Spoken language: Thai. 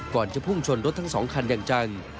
จะพุ่งชนรถทั้ง๒คันอย่างจัง